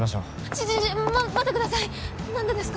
ちょちょちょま待ってください何でですか？